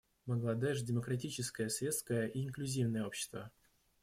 Бангладеш — демократическое, светское и инклюзивное общество.